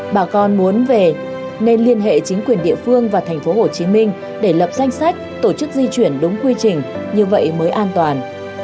bà con muốn về nên liên hệ chính quyền địa phương và thành phố hồ chí minh để lập danh sách tổ chức di chuyển đúng quy trình như vậy mới an toàn